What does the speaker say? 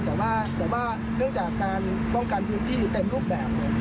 แต่ว่าเนื่องจากการป้องกันพื้นที่เต็มรูปแบบเนี่ย